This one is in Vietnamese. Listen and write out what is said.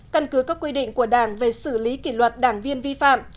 căn cứ các quy định của đảng về xử lý kỷ luật đảng viên vi phạm